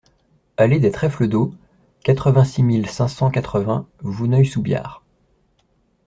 Allée des Trèfles d'Eau, quatre-vingt-six mille cinq cent quatre-vingts Vouneuil-sous-Biard